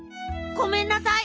ごめんなさい。